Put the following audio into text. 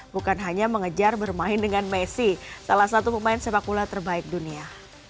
bukan hanya mengejar bermain dengan messi salah satu pemain sepak bola terbaik dunia